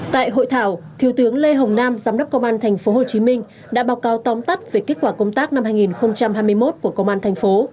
tại hội thảo thiếu tướng lê hồng nam giám đốc công an thành phố hồ chí minh đã báo cáo tóm tắt về kết quả công tác năm hai nghìn hai mươi một của công an thành phố